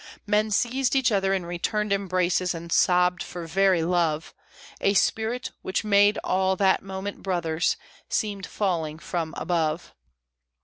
Men seized each other in returned embraces, and sobbed for very love; A spirit, which made all that moment brothers, seemed falling from above.